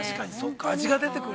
◆味が出てくる。